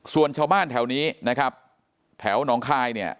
ส่วนชาวบ้านแถวนี้นะครับแถวหนองคายเนี่ย